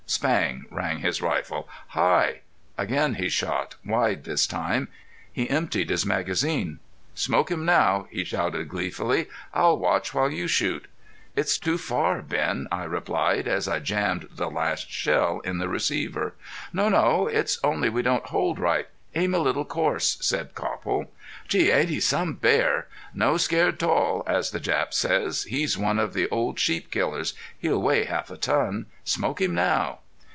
Spang rang his rifle. "High!" Again he shot, wide this time. He emptied his magazine. "Smoke him now!" he shouted, gleefully. "I'll watch while you shoot." "It's too far, Ben," I replied, as I jammed the last shell in the receiver. "No no. It's only we don't hold right. Aim a little coarse," said Copple. "Gee, ain't he some bear! 'No scared tall' as the Jap says.... He's one of the old sheep killers. He'll weigh half a ton. Smoke him now!"